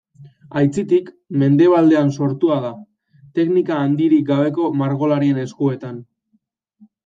Aitzitik, Mendebaldean sortua da, teknika handirik gabeko margolarien eskuetan.